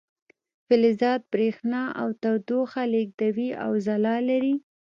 فلزات بریښنا او تودوخه لیږدوي او ځلا لري.